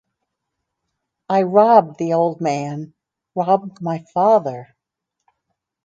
I robbed the old man — robbed my father.